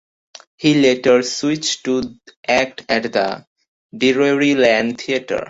He later switched to act at the Drury Lane Theatre.